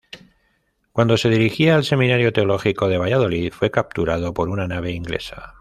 Cuando se dirigía al Seminario Teológico de Valladolid fue capturado por una nave inglesa.